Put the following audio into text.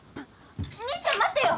兄ちゃん待ってよ。